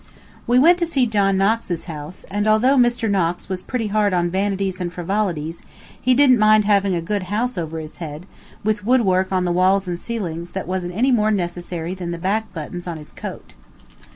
We went to see John Knox's house, and although Mr. Knox was pretty hard on vanities and frivolities, he didn't mind having a good house over his head, with woodwork on the walls and ceilings that wasn't any more necessary than the back buttons on his coat.